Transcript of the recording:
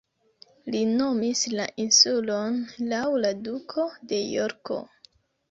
Li nomis la insulon laŭ la Duko de Jorko.